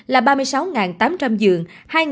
là ba mươi sáu tám trăm linh dường